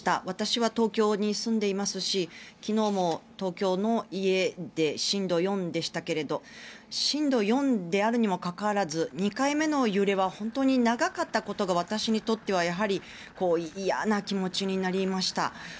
私は東京に住んでいますし昨日も東京の家で震度４でしたけど震度４であるにもかかわらず２回目の揺れは本当に長かったことが私にとってはやはり嫌な気持ちになりました。